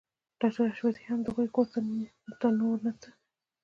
ډاکټر حشمتي هم د هغوی کور ته نور نه ته